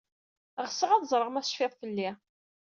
Ɣseɣ ad ẓreɣ ma tecfid fell-i.